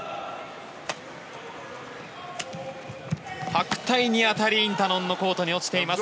白帯に当たりインタノンのコートに落ちています。